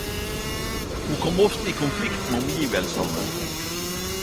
Ho kom ofte i konflikt med omgivelsane.